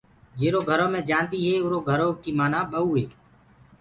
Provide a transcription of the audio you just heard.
جيرو گھرو مي جآندي هي اُرو گھرو ڪي مآنآ ٻئوٚ هي۔